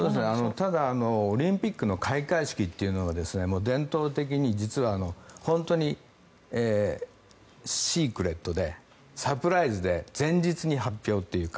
ただ、オリンピックの開会式というのは伝統的に実は本当にシークレットでサプライズで前日に発表というか